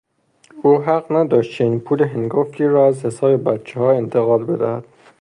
او حق نداشت چنین پول هنگفتی را از حساب بچهها انتقال بدهد.